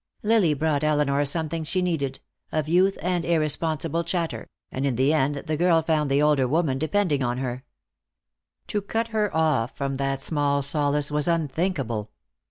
Lily brought Elinor something she needed, of youth and irresponsible chatter, and in the end the girl found the older woman depending on her. To cut her off from that small solace was unthinkable.